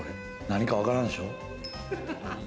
何かわからんでしょ？